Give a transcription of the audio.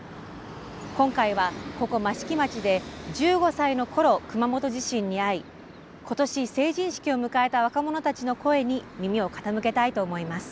今回はここ益城町で１５歳のころ熊本地震に遭い今年成人式を迎えた若者たちの声に耳を傾けたいと思います。